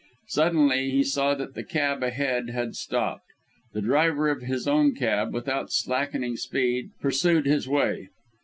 Suddenly he saw that the cab ahead had stopped. The driver of his own cab without slackening speed, pursued his way.